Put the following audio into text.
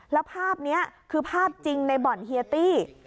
แล้วภาพนี้คือภาพจริงในบ่อนเฮียตี้